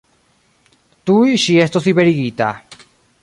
Tuj ŝi estos liberigita.